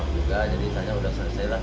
jadi saya sudah selesai lah